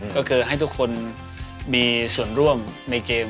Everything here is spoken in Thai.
ก็คือให้ทุกคนมีส่วนร่วมในเกม